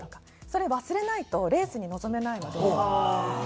それ忘れないとレースに臨めないので。はあ！